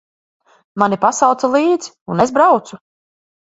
Mani pasauca līdzi, un es braucu.